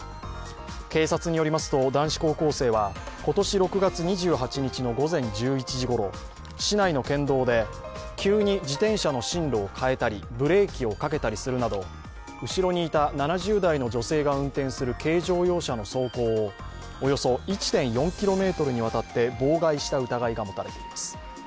警察によりますと男子高校生は今年６月２８日の午前１１時ごろ、市内の県道で急に自転車の進路を変えたりブレーキをかけたりするなど後ろにいた７０代の女性が運転する軽乗用車の走行をおよそ１．４ｋｍにわたって妨害した疑いが持たれています。